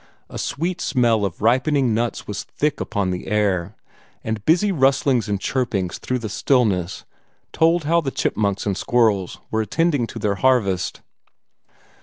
A sweet smell of ripening nuts was thick upon the air, and busy rustlings and chirpings through the stillness told how the chipmunks and squirrels were attending to their harvest.